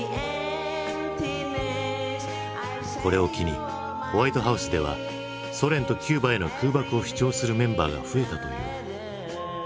これを機にホワイトハウスではソ連とキューバへの空爆を主張するメンバーが増えたという。